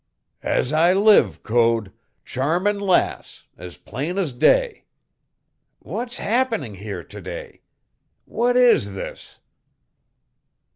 "As I live, Code. Charming Lass, as plain as day! What's happening here to day? What is this?"